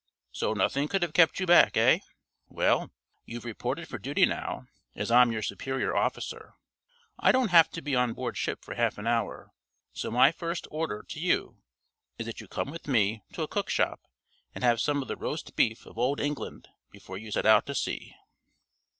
"So nothing could have kept you back, eh? Well, you've reported for duty now, as I'm your superior officer. I don't have to be on board ship for half an hour, so my first order to you is that you come with me to a cook shop and have some of the roast beef of old England before you set out to sea."